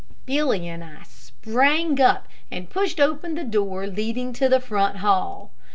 Billy and I sprang up and pushed open the door leading to the front hall.